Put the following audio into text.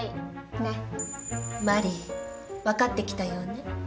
マリー分かってきたようね。